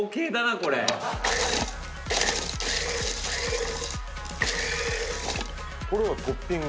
これこれはトッピング？